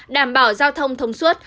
đảm bảo giao thông thông suốt